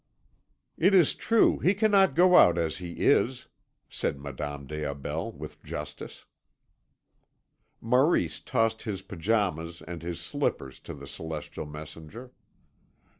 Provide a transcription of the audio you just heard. "It is true he cannot go out as he is," said Madame des Aubels with justice. Maurice tossed his pyjamas and his slippers to the celestial messenger.